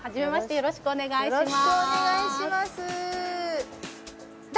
よろしくお願いします